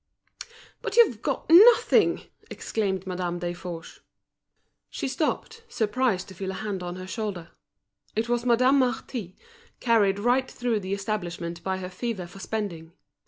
"But you've got nothing!" exclaimed Madame Desforges. She stopped, surprised to feel a hand laid on her shoulder. It was Madame Marty, carried right through the establishment by her fever for spending.